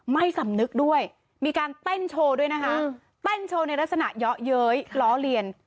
ไม่สำนึกด้วยมีการเต้นโชว์ด้วยนะคะเต้นโชว์ในลักษณะเยาะเย้ยล้อเลียน